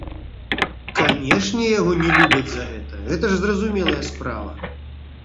Канешне, яго не любяць за гэта, гэта ж зразумелая справа.